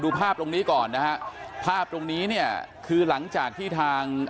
ภาพตรงนี้ก่อนนะฮะภาพตรงนี้เนี่ยคือหลังจากที่ทาง